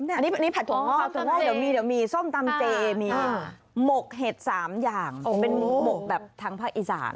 อันนี้ผัดถั่วถั่วงอกเดี๋ยวมีเดี๋ยวมีส้มตำเจมีหมกเห็ด๓อย่างเป็นหมกแบบทางภาคอีสาน